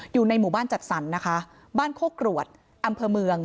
อยู่ในหมู่บ้านจัดสรรนะคะบ้านโคกรวดอำเภอเมือง